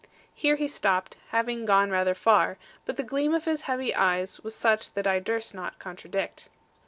Here he stopped, having gone rather far! but the gleam of his heavy eyes was such that I durst not contradict.